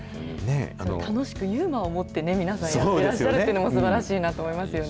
楽しくユーモアを持って、皆さんやってらっしゃるというのも、すばらしいなと思いますよね。